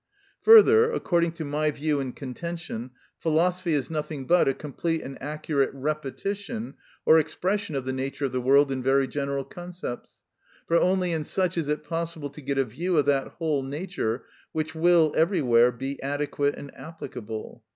Further, according to my view and contention, philosophy is nothing but a complete and accurate repetition or expression of the nature of the world in very general concepts, for only in such is it possible to get a view of that whole nature which will everywhere be adequate and applicable.